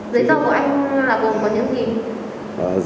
giấy tờ của anh là gồm có những gì